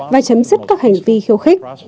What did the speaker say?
và chấm dứt các hành vi khiêu khích